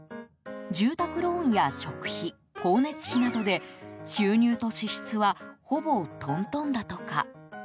住宅ローンや食費、光熱費などで収入と支出はほぼ、とんとんだとか。